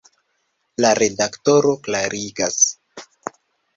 La redaktoro klarigas.